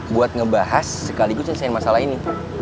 buat ngebahas sekaligus menyelesaikan masalah ini